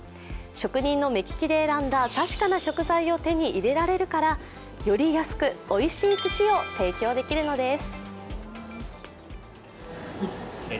職人の目利きで選んだ確かな食材を手に入れられるからより安く、おいしいすしを提供できるのです。